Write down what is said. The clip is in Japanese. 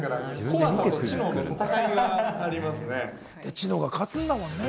知能が勝つんだもんね。